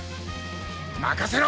任せろ！